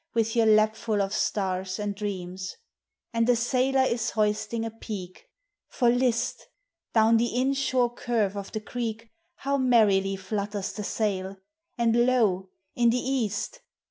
With your lapful of stars and dreams), And a sailor is hoisting a peak: For list ! down the inshore curve of the creek How merrily flutters the sail. And lo! in the Kasl